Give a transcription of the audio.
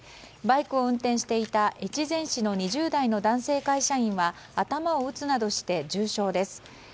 バイクを運転していた越前市の２０代の男性会社員は頭を打つなどして重傷です。